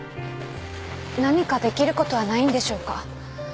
何かできることはないんでしょうか？